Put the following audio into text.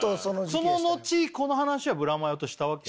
その後この話はブラマヨとしたわけ？